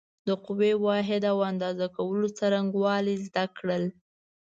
د قوې واحد او اندازه کولو څرنګوالی زده کړل.